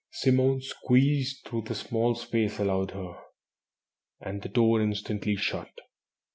Simone squeezed through the small space allowed her, and the door instantly shut.